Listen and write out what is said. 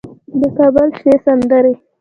د کابل شنې سندرې